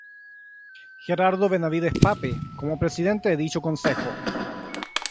Gerardo Benavides Pape, como Presidente de dicho consejo.